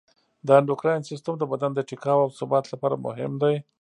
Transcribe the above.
د اندوکراین سیستم د بدن د ټیکاو او ثبات لپاره مهم دی.